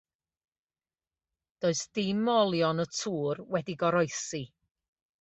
Does dim o olion y tŵr wedi goroesi.